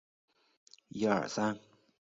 威涅人口变化图示